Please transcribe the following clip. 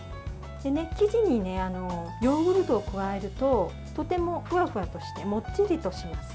生地にヨーグルトを加えるととてもふわふわとしてもっちりとします。